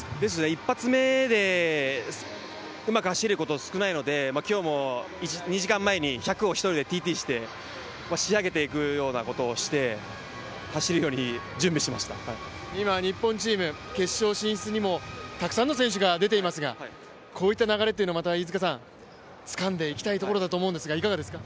一発目でうまく走ることは少ないので、今日も２時間前に１００を１人でＴＴして仕上げて、今、日本チーム、決勝進出にもたくさんの選手が出ていますがこういった流れというのは飯塚さん、つかんでいきたいところだと思うんですが、いかがですか。